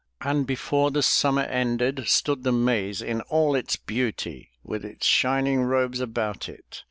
And before the Summer ended Stood the maize in all its beauty, With its shining robes about it.